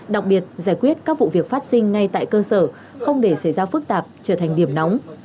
đặc biệt giải quyết các vụ việc phát sinh ngay tại cơ sở không để xảy ra phức tạp trở thành điểm nóng